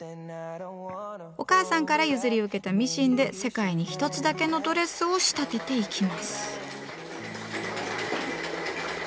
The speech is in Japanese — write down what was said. お母さんから譲り受けたミシンで世界に一つだけのドレスを仕立てていきます。